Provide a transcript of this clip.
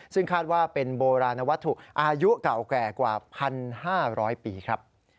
ซึ่งคาดว่าเป็นโบราณวัตถุอายุเก่าแก่กว่า๑๕๐๐ปีครับ